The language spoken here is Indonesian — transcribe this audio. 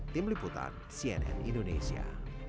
tim liputan cnn indonesia